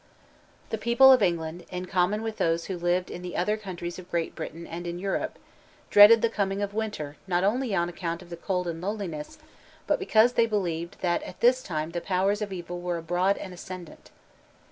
_ The people of England, in common with those who lived in the other countries of Great Britain and in Europe, dreaded the coming of winter not only on account of the cold and loneliness, but because they believed that at this time the powers of evil were abroad and ascendant.